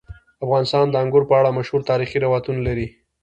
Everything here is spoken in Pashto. افغانستان د انګور په اړه مشهور تاریخی روایتونه لري.